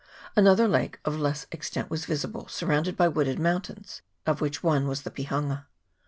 Another lake of less extent was visible, surrounded by wooded mountains, of which one was the Pihanga.